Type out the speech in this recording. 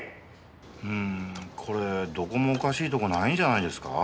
うーんこれどこもおかしいとこないんじゃないですか？